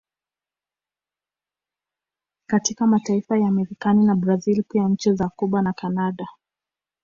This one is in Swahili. Katika mataifa ya Marekani na Brazil pia nchi za Cuba na Canada